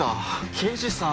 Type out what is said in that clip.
刑事さん？